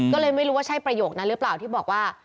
ก็เลยไม่รู้ว่าใช่ประโยคนั้นหรือเปล่าที่บอกว่า